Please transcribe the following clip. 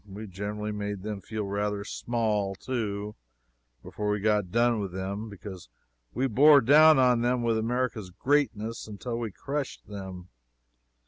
We generally made them feel rather small, too, before we got done with them, because we bore down on them with America's greatness until we crushed them.